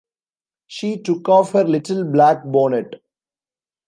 She took off her little black bonnet.